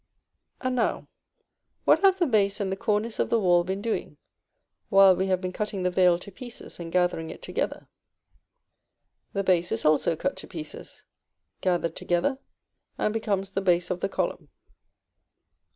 And now, what have the base and the cornice of the wall been doing while we have been cutting the veil to pieces and gathering it together? The base is also cut to pieces, gathered together, and becomes the base of the column.